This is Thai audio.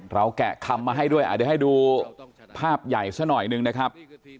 เราแก่คำมาให้ด้วยอาจจะให้ดูภาพใหญ่สักหน่อยหนึ่งนะครับ